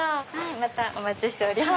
またお待ちしております。